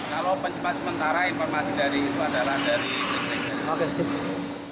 kalau penjelasan sementara informasi dari pasaran dari